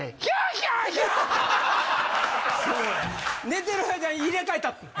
寝てる間に入れ替えたってん。